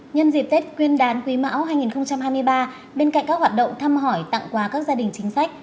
nhân dịp tết quyên đán quý mão hai nghìn hai mươi ba bên cạnh các hoạt động thăm hỏi tặng quà các gia đình chính sách